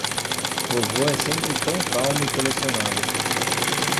Vovô é sempre tão calmo e colecionado.